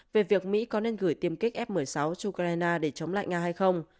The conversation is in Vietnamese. về việc mỹ có nên gửi tiêm kích f một mươi sáu cho ukraine để chống lại nga hay không